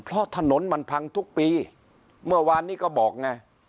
เพราะถนนมันพังทุกปีเมื่อวานนี้ก็บอกไง